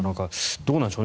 どうなんでしょう。